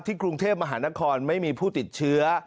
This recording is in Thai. กรุงเทพมหานครไม่มีผู้ติดเชื้อ